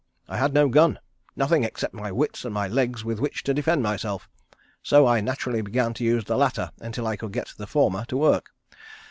I had no gun; nothing except my wits and my legs with which to defend myself, so I naturally began to use the latter until I could get the former to work.